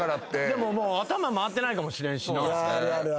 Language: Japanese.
でももう頭回ってないかもしれんしな。